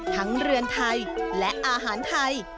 เรือนไทยและอาหารไทย